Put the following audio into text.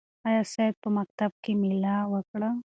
آیا سعید په مکتب کې مېله وکړه؟